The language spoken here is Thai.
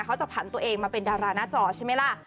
เขาจะผันตัวเองมาเป็นดาราหน้าจอใช่ไหมล่ะ